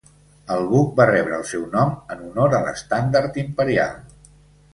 El buc va rebre el seu nom en honor a l’estendard imperial.